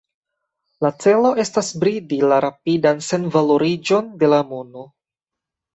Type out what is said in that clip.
La celo estas bridi la rapidan senvaloriĝon de la mono.